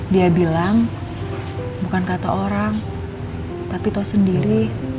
dia bilang bukan kata orang tapi tahu sendiri